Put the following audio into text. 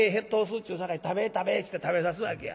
っちゅうさかい『食べ食べ』っつって食べさすわけや。